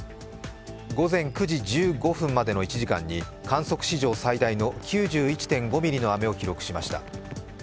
午前９時１５分までの１時間に観測史上最大の９１．５ミリの雨を記録しました。